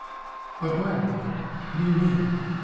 "But when?" "What do you mean?"